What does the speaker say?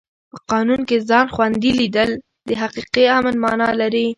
په قانون کې ځان خوندي لیدل د حقیقي امن مانا لري.